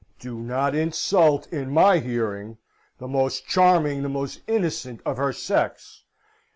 "Do not insult, in my hearing, the most charming, the most innocent of her sex!